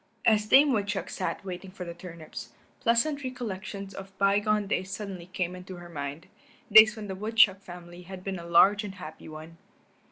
As Dame Woodchuck sat waiting for the turnips, pleasant recollections of bygone days suddenly came into her mind, days when the woodchuck family had been a large and happy one.